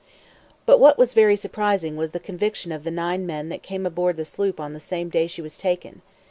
But what was very surprising, was the conviction of the nine men that came aboard the sloop on the same day she was taken.